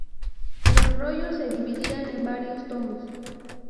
Los rollos se dividían en varios tomos.